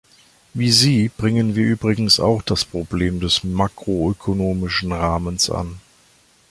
Wie Sie bringen wir übrigens auch das Problem des makroökonomischen Rahmens an.